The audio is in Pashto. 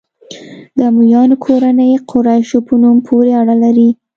د امویانو کورنۍ قریشو په قوم پورې اړه لري.